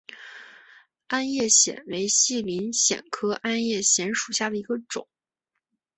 鞍叶藓为细鳞藓科鞍叶藓属下的一个种。